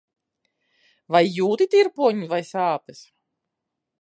Vai jūti tirpoņu vai sāpes?